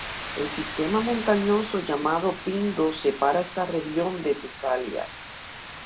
El sistema montañoso llamado Pindo separa esta región de Tesalia.